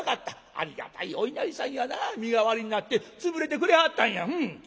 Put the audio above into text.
ありがたいお稲荷さんやな身代わりになって潰れてくれはったんや。